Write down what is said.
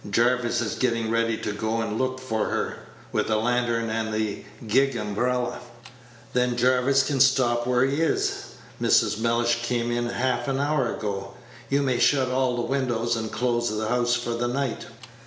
Jarvis is getting ready to go and look for her, with a lantern and the gig umbrella." "Then Jarvis can stop where he is; Mrs. Mellish came in half an hour ago. You may shut all the windows, and close the house for the night."